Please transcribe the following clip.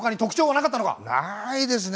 ないですね。